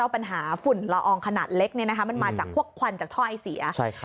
ปัญหาฝุ่นละอองขนาดเล็กมันมาจากพวกควันจากท่อไอเสีย